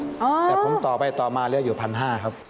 แต่ผมต่อไปต่อมาเหลืออยู่๑๕๐๐ครับ